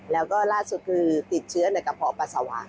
แล้วก็ล่าสุดคือติดเชื้อในกระเพาะปัสสาวะ